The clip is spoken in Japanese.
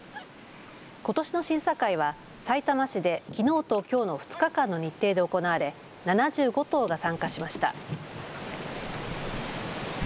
ことしの審査会はさいたま市できのうときょうの２日間の日程で行われ７５頭が参加しました。